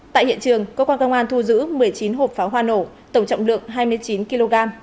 tại hiện trường cơ quan công an thu giữ một mươi chín hộp pháo hoa nổ tổng trọng lượng hai mươi chín kg